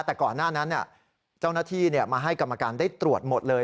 แต่ก่อนหน้านั้นเจ้าหน้าที่มาให้กรรมการได้ตรวจหมดเลย